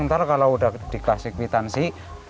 ntar kalau udah dikasih kwitansi